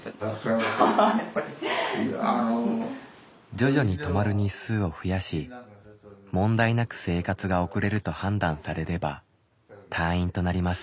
徐々に泊まる日数を増やし問題なく生活が送れると判断されれば退院となります。